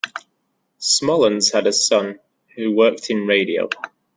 Smallens had a son who worked in radio.